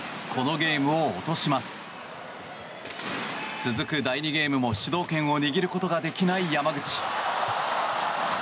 ゲームも主導権を握ることができない山口。